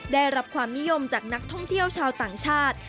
ได้รับความนิยมจากนักท่องเที่ยวชาวต่างชาติ